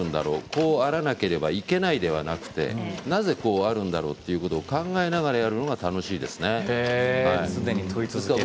こうあらなければいけないではなくてなぜ、こうあるんだろうということを考えながらやるのが常に問い続けている。